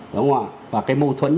đúng rồi và cái mâu thuẫn